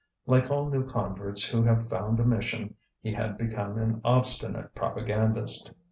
Like all new converts who have found a mission, he had become an obstinate propagandist.